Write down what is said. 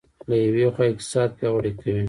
له یوې خوا اقتصاد پیاوړی کوي.